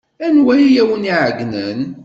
Anwa ay awen-iɛeyynen?